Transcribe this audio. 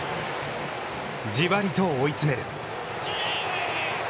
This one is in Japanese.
じわりと追い詰める。